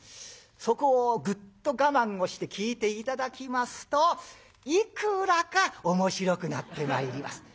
そこをグッと我慢をして聴いて頂きますといくらか面白くなってまいります。